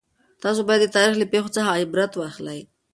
تاسو باید د تاریخ له پېښو څخه عبرت واخلئ.